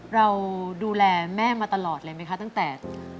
เราดูแลแม่มาตลอดเลยไหมคะตั้งแต่